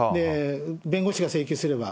弁護士が請求すれば。